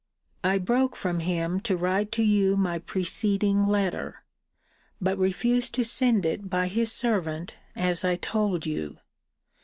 I broke from him to write to you my preceding letter; but refused to send it by his servant, as I told you.